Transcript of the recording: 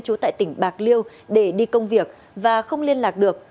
trú tại tỉnh bạc liêu để đi công việc và không liên lạc được